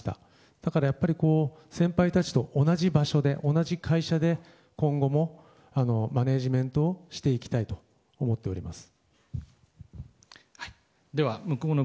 だからやっぱり先輩たちと同じ場所で同じ会社で今後もマネージメントをしていきたいと思っております。